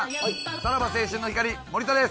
さらば青春の光・森田です。